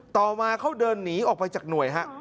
ต่อมาเขาเดินหนีออกไปจากหน่วยฮะ